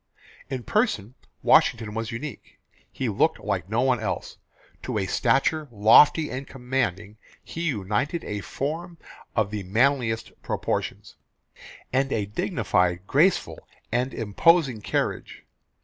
In person Washington was unique. He looked like no one else. To a stature lofty and commanding he united a form of the manliest proportions, and a dignifed, graceful, and imposing carriage.